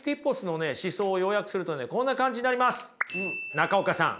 中岡さん。